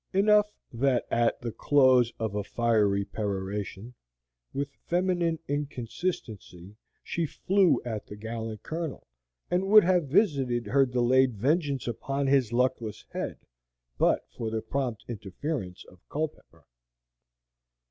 Enough that at the close of a fiery peroration, with feminine inconsistency she flew at the gallant Colonel, and would have visited her delayed vengeance upon his luckless head, but for the prompt interference of Culpepper.